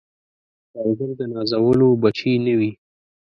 سوالګر د نازولو بچي نه وي